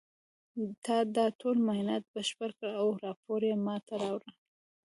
تا دا ټول معاینات بشپړ کړه او راپور یې ما ته راوړه